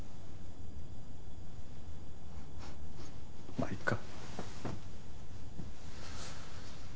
まあいっか。